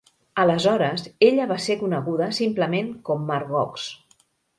Aleshores, ella va ser coneguda simplement com Margox.